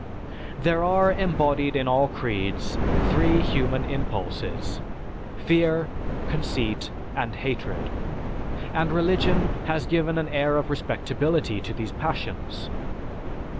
There are embodied in all creeds three human impulses: fear, conceit, and hatred; and religion has given an air of respectability to these passions.